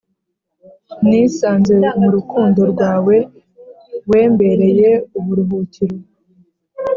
nisanze murukundo rwawe wembereye uburuhukiro